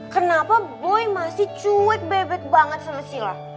kenapa boy masih cuet bebet banget sama sila